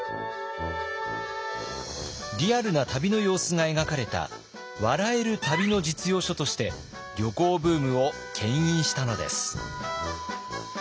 リアルな旅の様子が描かれた笑える旅の実用書として旅行ブームをけん引したのです。